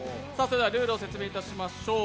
ルールを説明いたしましょう。